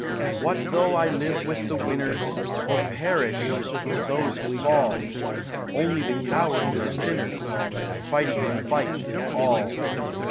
What though I live with the winners Or perish with those who fall? Only the cowards are sinners, Fighting the fight is all.